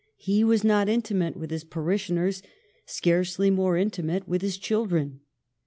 He was not intimate with his parishioners ; scarcely more intimate with his children.